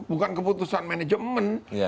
bukan keputusan manajemen